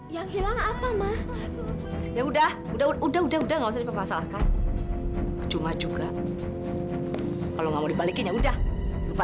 yaudah jalan jalan sama ibu aja ya